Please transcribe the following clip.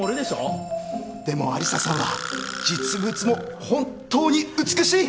でも有沙さんは実物も本当に美しい！